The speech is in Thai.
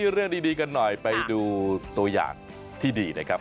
เรื่องดีกันหน่อยไปดูตัวอย่างที่ดีนะครับ